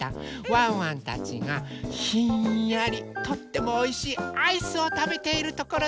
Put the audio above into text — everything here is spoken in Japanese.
ワンワンたちがひんやりとってもおいしいアイスをたべているところです。